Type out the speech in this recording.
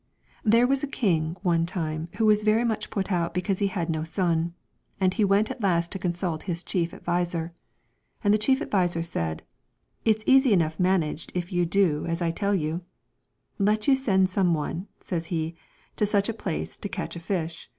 There was a king one time who was very much put out because he had no son, and he went at last to consult his chief adviser. And the chief adviser said, ' It's 209 p The "easy enough managed if you do as I tell Celtic Twilight, you Let you send some one, says he, 'to such a place to catch a fish.